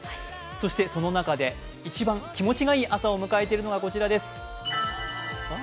そしてその中で一番気持ちがいい朝を迎えているのがこちらです。